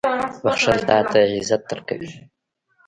• بښل تا ته عزت درکوي.